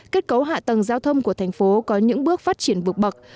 kết cấu hạ tầng giao thông của thành phố có những bước phát triển vượt bậc